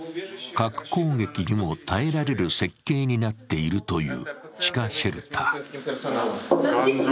核攻撃にも耐えられる設計になっているという地下シェルター。